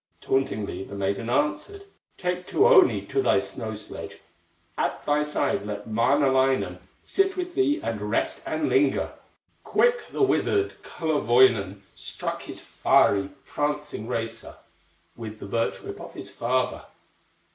Tauntingly the maiden answered: "Take Tuoni to thy snow sledge, At thy side let Manalainen Sit with thee, and rest, and linger!" Quick the wizard, Kullerwoinen, Struck his fiery, prancing racer, With the birch whip of his father.